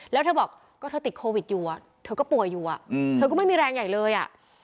แล้วเธอบอกก็เธอติดโควิดอยู่เธอก็ป่วยอยู่เธอก็ไม่มีแรงใหญ่เลยอ่ะ